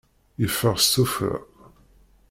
Yeffeɣ s tuffra.